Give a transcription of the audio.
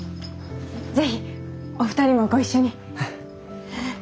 ぜひお二人もご一緒に。